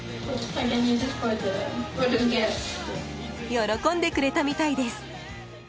喜んでくれたみたいです。